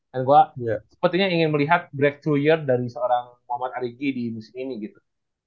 dan gua sepertinya ingin melihat breakthrough year dari seorang mohd ariki di musim ini gitu